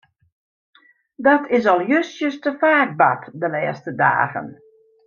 Dat is al justjes te faak bard de lêste dagen.